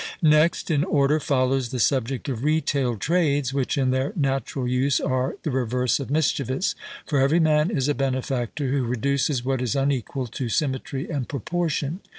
Next in order follows the subject of retail trades, which in their natural use are the reverse of mischievous; for every man is a benefactor who reduces what is unequal to symmetry and proportion.